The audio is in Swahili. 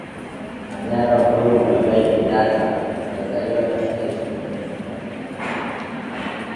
Manyara Uhuru Muigai Kenyatta amezaliwa tarehe ishirini na sita mwezi wa kumi